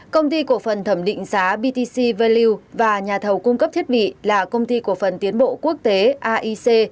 công ty cổ phần thẩm định giá btc value và nhà thầu cung cấp thiết bị là công ty cổ phần tiến bộ quốc tế aic